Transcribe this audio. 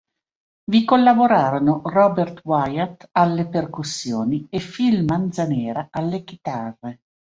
Vi collaborarono Robert Wyatt alle percussioni e Phil Manzanera alle chitarre.